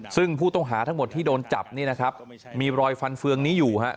ซึ่งผู้ต้องหาทั้งหมดที่โดนจับนี่นะครับมีรอยฟันเฟืองนี้อยู่ฮะ